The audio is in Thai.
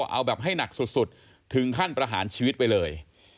เอาแบบให้หนักสุดถึงขั้นประหารชีวิตไปเลย